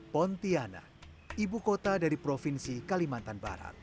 pontianak ibu kota dari provinsi kalimantan barat